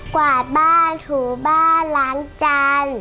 กวาดบ้านถูบ้านล้างจาน